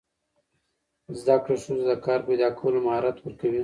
زده کړه ښځو ته د کار پیدا کولو مهارت ورکوي.